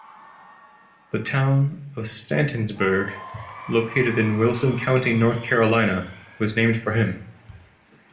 The town of Stantonsburg, located in Wilson County, North Carolina, was named for him.